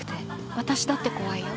私だって怖いよ。